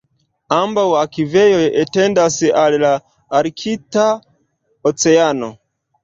Ambaŭ akvejoj etendas el la Arkta Oceano.